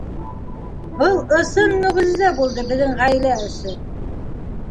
Был ысын мөғжизә булды беҙҙең ғаилә өсөн.